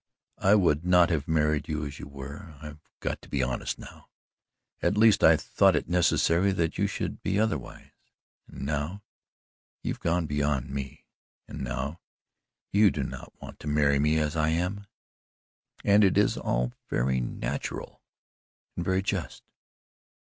I would not have married you as you were I've got to be honest now at least I thought it necessary that you should be otherwise and now you have gone beyond me, and now you do not want to marry me as I am. And it is all very natural and very just."